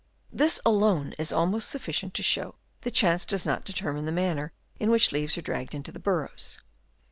This alone is almost suffi cient to show that chance does not determine the manner in which leaves are dragged into the burrows.